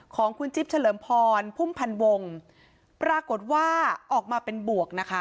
ของคุณจิ๊บเฉลิมพรพุ่มพันธ์วงปรากฏว่าออกมาเป็นบวกนะคะ